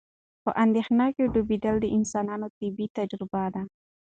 په اندېښنه کې ډوبېدل د انسانانو طبیعي تجربه ده.